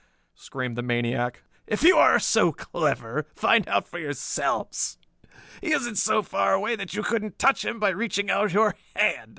screamed the maniac. "If you are so clever, find out for yourselves. He isn't so far away that you couldn't touch him by reaching out your hand.